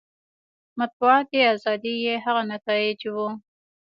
مطبوعاتي ازادي یې هغه نتایج وو.